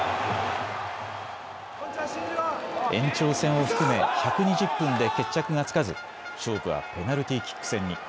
延長戦を含め１２０分で決着がつかず、勝負はペナルティーキック戦に。